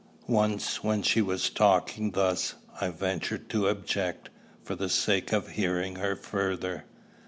Once, when she was talking thus, I ventured to object, for the sake of hearing her further.